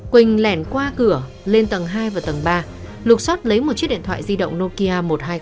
quỳnh lẻn qua cửa lên tầng hai và tầng ba lục xót lấy một chiếc điện thoại di động nokia một nghìn hai trăm linh hai